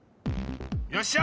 よっしゃ！